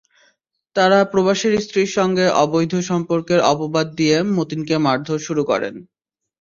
তাঁরা প্রবাসীর স্ত্রীর সঙ্গে অবৈধ সম্পর্কের অপবাদ দিয়ে মতিনকে মারধর শুরু করেন।